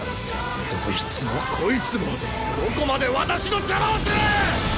どいつもこいつもどこまで私の邪魔をする！